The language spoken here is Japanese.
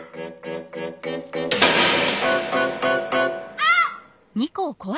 あっ！